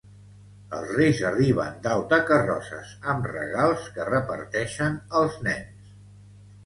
Els reis arriben dalt de carrosses amb regals que reparteixen als nens.